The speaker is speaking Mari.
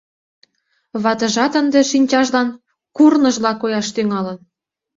Ватыжат ынде шинчажлан курныжла кояш тӱҥалын.